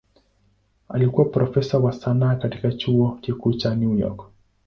Alikuwa profesa wa sanaa katika Chuo Kikuu cha New York.